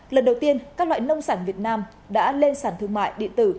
lần đầu tiên các loại nông sản việt nam đã lên sản thương mại điện tử